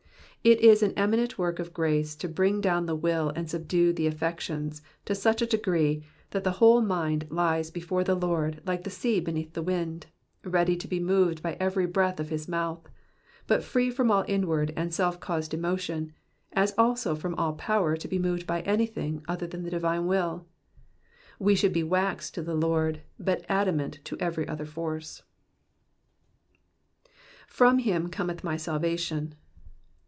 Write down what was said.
It is an eminent work of grace to bnng down the will and subdue the affections to such a degree, that the whole mind lies before the Lord like the sea beneath the wind, ready to be moved by every breath of his mouth, but free from all inwaid and self caused emotion, as Digitized by VjOOQIC PSALM THB SIXTY SECOND. 115 also from all power to be moved by anything other than the divine will. We should be wax to the Lord, but adamant to every other force. ^^From him oometh my mhation.''''